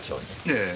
ええ。